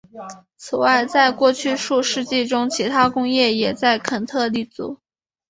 此外在过去数世纪中其它工业也在肯特立足。